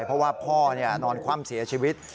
เพราะว่าพ่อนอนคว่ำเสียชีวิต